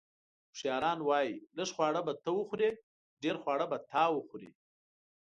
اوښیاران وایي: لږ خواړه به ته وخورې، ډېر خواړه به تا وخوري.